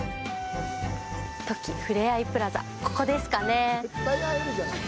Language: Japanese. トキふれあいプラザ、ここですかね。